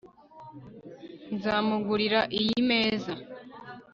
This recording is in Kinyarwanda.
Nzamugurira iyi meza